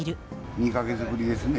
２か月ぶりですね。